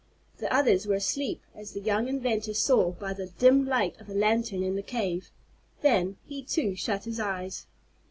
The others were asleep, as the young inventor saw by the dim light of a lantern in the cave. Then, he too, shut his eyes.